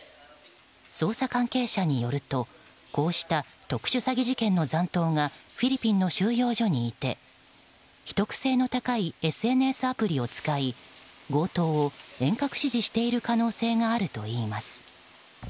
捜査関係者によるとこうした特殊詐欺事件の残党がフィリピンの収容所にいて秘匿性の高いＳＮＳアプリを使い強盗を遠隔指示している可能性があるといいます。